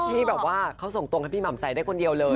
ที่แบบว่าเขาส่งตรงให้พี่หม่ำใสได้คนเดียวเลย